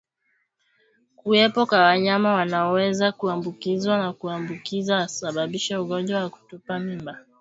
Kuwepo kwa wanyama wanaoweza kuambukizwa na kuambukiza husababisha ugonjwa wa kutupa mimba